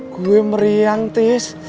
gue meriang tis